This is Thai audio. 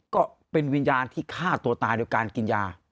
ก็เป็นวิญญาณที่ฆ่าตัวตายโดยการกินยา